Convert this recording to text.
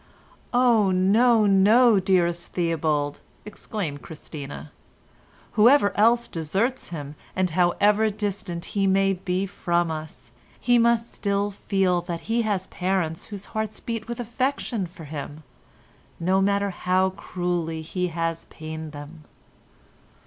"Oh, no! no! dearest Theobald," exclaimed Christina. "Whoever else deserts him, and however distant he may be from us, he must still feel that he has parents whose hearts beat with affection for him no matter how cruelly he has pained them."